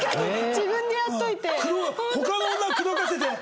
自分でやっておいて。